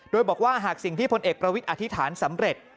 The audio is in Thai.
โดยบอกว่าหากสิ่งที่พลเอกประวิทย์อธิษฐานสำเร็จ